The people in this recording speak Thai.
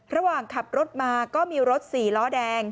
ระหว่างขับรถมาก็มีรถ๔ล้อแดง